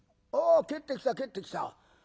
ああ帰ってきた帰ってきた。